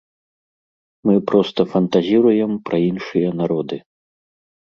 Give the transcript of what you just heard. Мы проста фантазіруем пра іншыя народы.